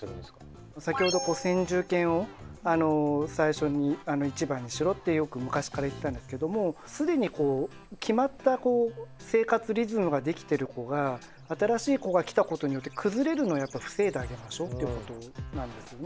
先ほど先住犬を最初に一番にしろってよく昔から言ってたんですけども既にこう決まった生活リズムができている子が新しい子が来たことによって崩れるのをやっぱり防いであげましょうっていうことなんですよね。